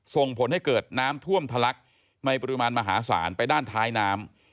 ส่งผลให้เกิดน้ำท่วมทะลักในปริมาณมหาศาลไปด้านท้ายน้ำ